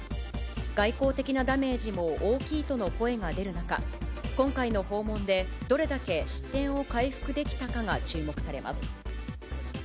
外交的なダメージも大きいとの声が出る中、今回の訪問でどれだけ失点を回復できたかが注目されます。